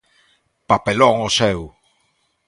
¡Papelón o seu!